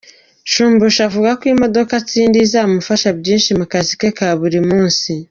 Shumbusho avuga ko imodoka atsindiye izamufasha byinshi mu kazi ke ka buri munsi.